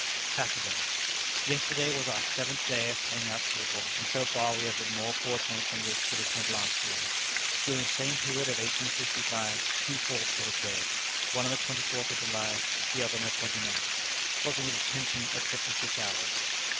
"Saturday. Yesterday was our seventh day of paying out cable, and so far we have been more fortunate than the expedition of last year. During the same period of 1865, two faults had occurred one on the twenty fourth July, the other on the twenty ninth causing a detention of fifty six hours.